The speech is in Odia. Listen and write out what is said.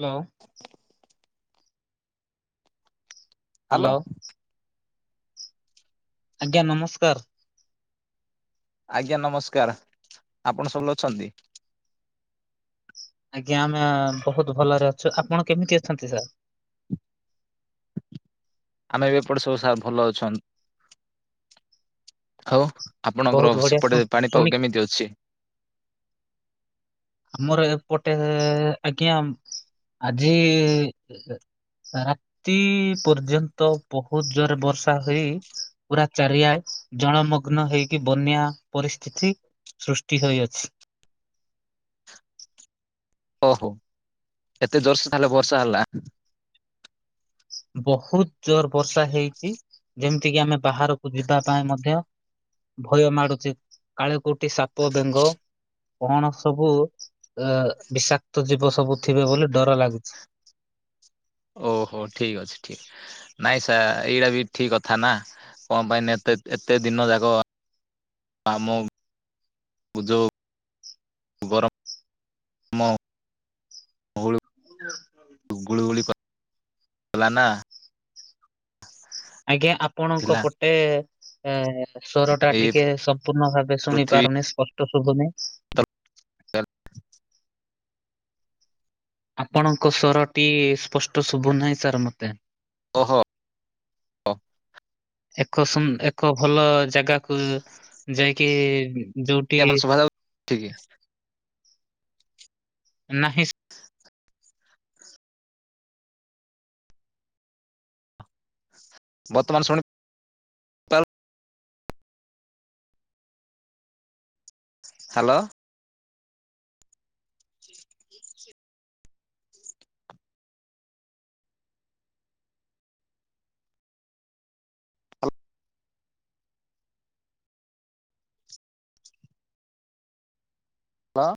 ହ୍ୟାଲୋ। ହ୍ୟାଲୋ। ଆଜ୍ଞା ନମସ୍କାର। ଆଜ୍ଞା ନମସ୍କାର ଆପଣ ସୋଲ ଅଛନ୍ତି। ଆଜ୍ଞା ଆମେ ବହୁତ ଭଲରେ ଅଛୁ ଆପଣ କେମିତି ଅଛନ୍ତି ସାର୍? ଆମେବି ଏପଟେ ସବୁ ସାର୍ ଭଲ ଅଛନ୍। ହଉ ଆପଣଙ୍କର ବହୁତ ବଢିଆ ଶୁ ସେପଟେ ଶୁଣି ପାଣିପାଗ କେମିତି ଅଛି? ଆମର ଏପଟେ ଆଜ୍ଞା ଆଜି ରାତି ପର୍ଯ୍ୟନ୍ତ ବହୁତ ଜୋରରେ ବର୍ଷା ହୋଇ ପୁରା ଚାରିଆଡେ ଜଳମଗ୍ନ ହେଇକି ବନ୍ୟା ପରିସ୍ଥିତି ସୃଷ୍ଟି ହୋଇଅଛି। ଓହୋ ଏତେ ଜୋର୍ଷ ତାହଲେ ବର୍ଷା ହେଲା। ବହୁତ ଜୋର ବର୍ଷା ହେଇଛି ଯେମିତିକି ଆମେ ବାହାରକୁ ଯିବା ପାଇଁ ମଧ୍ୟ ଭୟ ମାଡୁଛି କାଳେ କୋଉଠି ସାପ ବେଙ୍ଗ କଣ ସବୁ ଅ ବିଷାକ୍ତ ଜୀବ ସବୁ ଥିବେ ବୋଲି ଡର ଲାଗୁଛି। ଓହୋ ଠିକ ଅଛି ଠିକ୍ ନାଇଁ ସ ଏଇଟା ବି ଠିକ କଥା ନା। କଣ ପାଇଁ ଏତେ ଏତେ ଦିନ ଯାକ ଆମ ବୁ ଗରମ ଗୁଳି ଗଳି [unintelligible] ହେଲାନା ଆଜ୍ଞା ଆପଣଙ୍କ ଥିଲା ପଟେ ଅ ଶ୍ୱର ଟା ଏଇ ଟିକେ ସମ୍ପୂର୍ଣ୍ଣ ଭାବେ ଶୁଣି ପୃଥିବୀ ପାରୁନି ସ୍ପଷ୍ଟ ଶୁଭୁନି। ଆପଣଙ୍କ ସ୍ଵରଟି ସ୍ପଷ୍ଟ ଶୁଭୁ ନାହିଁ ସାର୍ ମତେ। ଓହୋ ହଉ। ଏକ ସମ୍ ଏକ ଭଲ ଜାଗାକୁ ଯାଇକି ଯୋଉଠି କେବେ ଶୁଭା ଯାଉନି ଠିକ। ନାହିଁ। [inaudible] ବର୍ତ୍ତମାନ ଶୁଣି ହ୍ୟାଲୋ। [unintelligible] ହଁ।